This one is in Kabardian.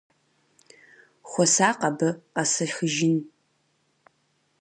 Хуэсакъ абы, къэсэхыжын!